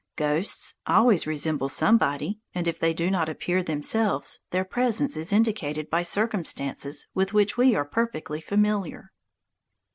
Ghosts always resemble somebody, and if they do not appear themselves, their presence is indicated by circumstances with which we are perfectly familiar.